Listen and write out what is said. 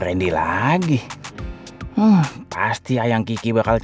udah siap belum